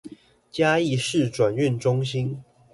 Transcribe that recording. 嘉義市轉運中心